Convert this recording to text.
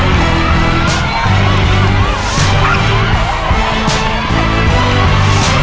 พิมพ์พิมพ์พิมพ์มาช่วยหน่อยก็ได้นะ